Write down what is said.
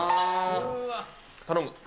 頼む。